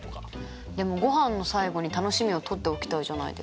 でもごはんの最後に楽しみを取っておきたいじゃないですか。